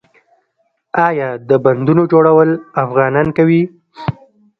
آیا د بندونو جوړول افغانان کوي؟